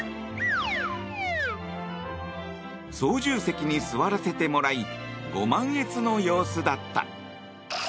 操縦席に座らせてもらいご満悦の様子だった。